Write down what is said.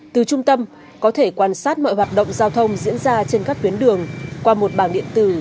từ trung tâm có thể quan sát mọi hoạt động giao thông diễn ra trên các tuyến đường qua một bảng điện tử